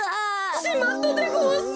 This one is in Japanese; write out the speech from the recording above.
しまったでごわす！